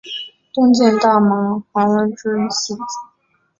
东晋大司马桓温之四子。